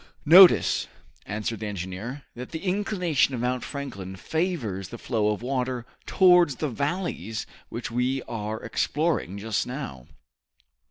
"Notice," answered the engineer, "that the inclination of Mount Franklin favors the flow of water towards the valleys which we are exploring just now.